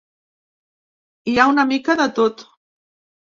Hi ha una mica de tot.